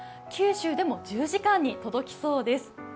九州でも１０時間に届きそうです。